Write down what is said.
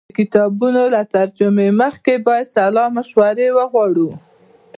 د کتابونو له ترجمې مخکې باید سلا مشوره وغواړو.